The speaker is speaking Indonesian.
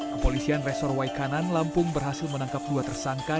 kepolisian resor waikanan lampung berhasil menangkap dua tersangka